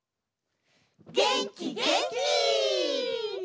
げんきげんき！